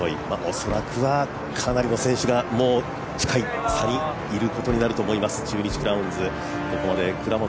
恐らくはかなりの選手がもう近い差にいることになると思います、中日クラウンズ。